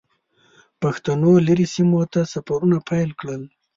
پښتنو لرې سیمو ته سفرونه پیل کړل.